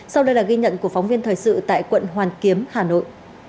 sau đây là ghi nhận của phóng viên thời sự tại quận hoàn kiếm hà nội